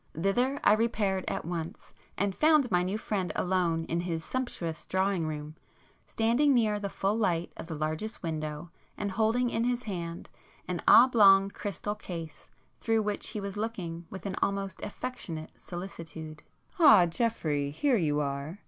Thither I repaired at once, and found my new friend alone in his sumptuous drawing room, standing near the full light of [p 54] the largest window and holding in his hand an oblong crystal case through which he was looking with an almost affectionate solicitude. "Ah, Geoffrey! Here you are!"